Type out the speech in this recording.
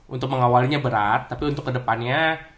untuk mengawalnya berat tapi untuk kedepannya